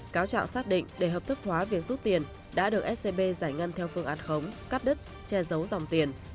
cáo trạng xác định để hợp thức hóa việc rút tiền đã được scb giải ngân theo phương án khống cắt đứt che giấu dòng tiền